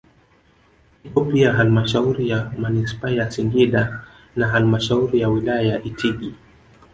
ipo pia Hlmashauri ya Manispaa ya Singida na halmashauri ya wilaya ya Itigi